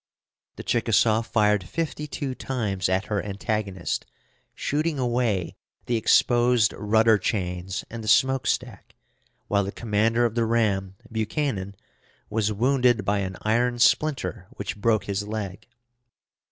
The Chickasaw fired fifty two times at her antagonist, shooting away the exposed rudder chains and the smokestack, while the commander of the ram, Buchanan, was wounded by an iron splinter which broke his leg.